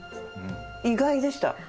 意外でした。